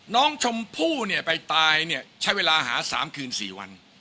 น้องชมพู่เนี่ยไปตายเนี่ยใช้เวลาหา๓คืน๔วัน